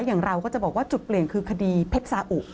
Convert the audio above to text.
อย่างเราก็จะบอกว่าจุดเปลี่ยนคือคดีเพชรสาอุ